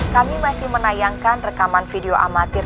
kami masih menayangkan rekaman video amatir